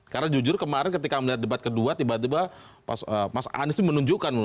karena jujur kemarin ketika melihat debat kedua tiba tiba mas anies itu menunjukkan